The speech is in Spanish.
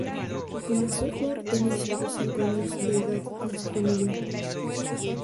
Comenzó a jugar tenis a los cinco años de edad con su familia.